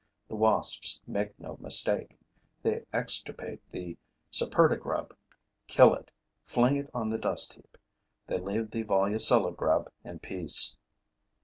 The wasps make no mistake: they extirpate the Saperda grub, kill it, fling it on the dust heap; they leave the Volucella grub in peace.